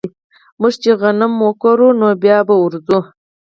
موږ چې غنم وکرو نو بيا به ورځو